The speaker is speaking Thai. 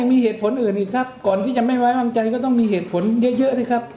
มีเหตุผลอื่นอีกครับก่อนที่จะไม่ไว้วางใจก็ต้องมีเหตุผลเยอะสิครับ